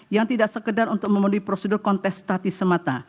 yang tidak sekedar untuk memenuhi prosedur kontestasi semata